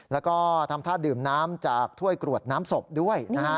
แล้วก็ทำท่าดื่มน้ำจากถ้วยกรวดน้ำศพด้วยนะฮะ